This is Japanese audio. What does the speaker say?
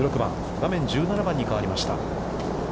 画面１７番に変わりました。